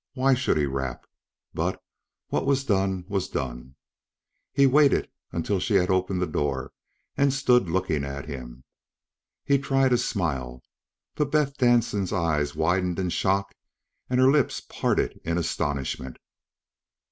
Why should he rap? But what was done, was done. He waited until she had opened the door and stood looking at him. He tried a smile, but Beth Danson's eyes widened in shock and her lips parted in astonishment.